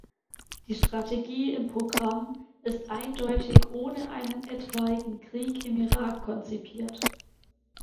Die Strategie im Programm ist eindeutig ohne einen etwaigen Krieg im Irak konzipiert.